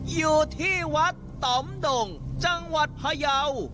อยู่ที่วัดต่อมดงจังหวัดพยาว